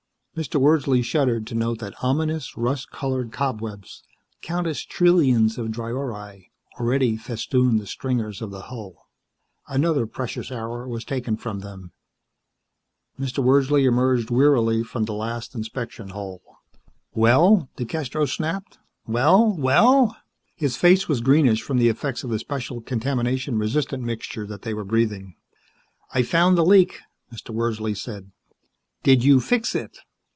Mr. Wordsley shuddered to note that ominous, rust colored cobwebs countless trillions of dryori already festooned the stringers of the hull. Another precious hour was taken from them. Mr. Wordsley emerged wearily from the last inspection hole. "Well?" DeCastros snapped. "Well well?" His face was greenish from the effects of the special, contamination resistant mixture that they were breathing. "I found the leak," Mr. Wordsley said. "Did you fix it?"